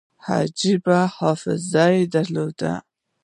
عجیبه حافظه یې درلوده.